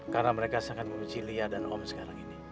karena mereka sangat memuji lia dan om sekarang ini